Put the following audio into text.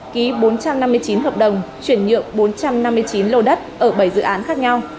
ký bốn trăm năm mươi chín hợp đồng chuyển nhượng bốn trăm năm mươi chín lô đất ở bảy dự án khác nhau